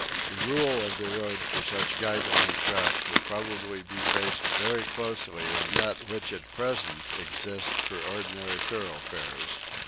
The rule of the road for such guide line tracks will probably be based very closely on that which at present exists for ordinary thoroughfares.